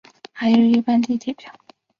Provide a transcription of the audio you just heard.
还有一般地铁票